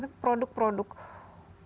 tapi produk produk unggulan